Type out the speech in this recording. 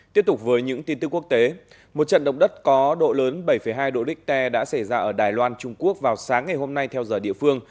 tiếp tục với những tin tức quốc tế một trận động đất có độ lớn bảy hai độ richter đã xảy ra ở đài loan trung quốc vào sáng ngày hôm nay theo giờ địa phương